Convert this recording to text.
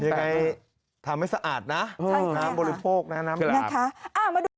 แต่ทำให้สะอาดนะน้ำบริโภคนะน้ำแบบนี้